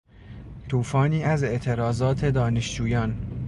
توفانی از اعتراضات دانشجویان